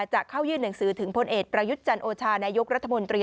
จะเข้ายื่นหนังสือถึงพลเอกประยุทธ์จันโอชานายกรัฐมนตรี